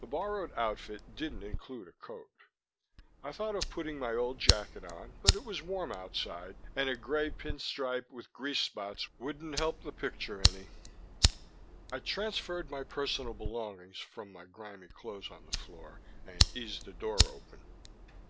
The borrowed outfit didn't include a coat. I thought of putting my old jacket on but it was warm outside and a grey pin stripe with grease spots wouldn't help the picture any. I transferred my personal belongings from the grimy clothes on the floor, and eased the door open.